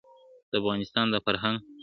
د افغانستان د فرهنګ `